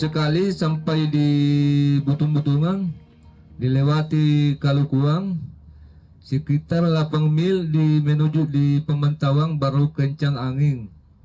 kalau kurang sekitar delapan mil menuju di paman tawang baru kencang angin